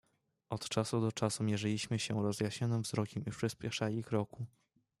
"Od czasu do czasu mierzyliśmy się rozjaśnionym wzrokiem i przyśpieszali kroku."